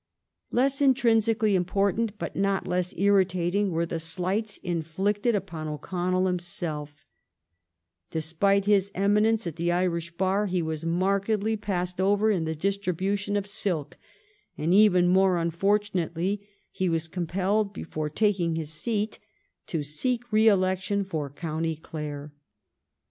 Less intrinsically important, but not less instating, were the slights inflicted upon O'Connell himself Despite his eminence at the Irish Bar he was markedly passed over in the distribution of *'silk," and, even more unfortunately, he was compelled before taking his seat to seek re election for County Clare.